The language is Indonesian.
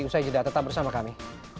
usai jeda tetap bersama kami